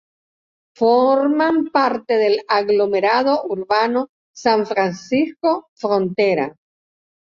Forman parte del aglomerado urbano San Francisco-Frontera.